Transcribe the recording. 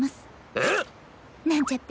えっ⁉なんちゃって。